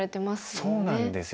そうなんですよ。